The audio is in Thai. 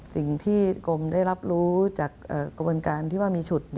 สิ่งที่กรมได้รับรู้จากกระบวนการที่ว่ามีฉุด